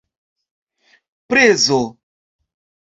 prezo